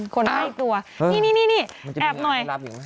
คนให้อีกตัวนี่แอบหน่อย